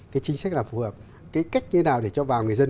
cái chính sách nào phù hợp cái cách như thế nào để cho vào người dân